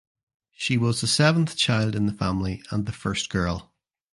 She was the seventh child in the family and the first girl.